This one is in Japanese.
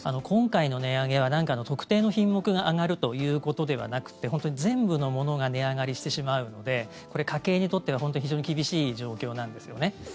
今回の値上げは特定の品目が上がるということではなくて全部の物が値上がりしてしまうのでこれ、家計にとっては本当非常に厳しい状況なんですよね。